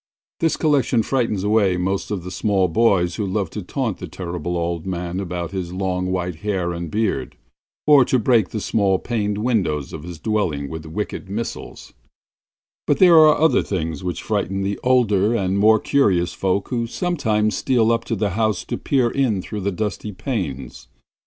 This collection frightens away most of the small boys who love to taunt the Terrible Old Man about his long white hair and beard, or to break the small paned windows of his dwelling with wicked missiles; but there are other things which frighten the older and more curious folk who sometimes steal up to the house to peer in through the dusty panes.